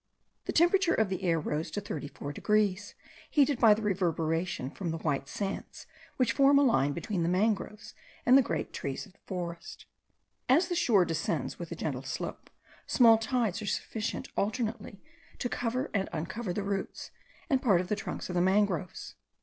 The temperature of the air rose to 34 degrees, heated by the reverberation from the white sands which form a line between the mangroves and the great trees of the forest. As the shore descends with a gentle slope, small tides are sufficient alternately to cover and uncover the roots and part of the trunks of the mangroves.